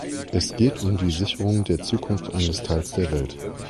Es geht um die Sicherung der Zukunft eins Teils der Welt.